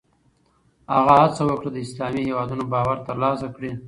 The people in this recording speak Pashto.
هغه هڅه وکړه د اسلامي هېوادونو باور ترلاسه کړي.